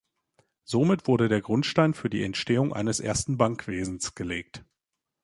Somit wurde der Grundstein für die Entstehung eines ersten Bankwesens gelegt.